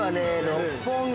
六本木